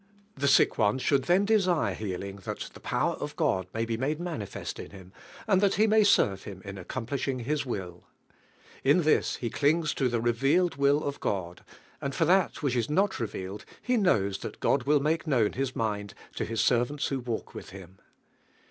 The sick one should (lien desire healing that the power t.f God may be made manifest in nirrt, and that he may serve Him in aieeomplishing His will, In this he clings to the revealed will of God. inn! for that which is no! revealed, he knows that God will make known Ills mind to His servants wlio walk with nim.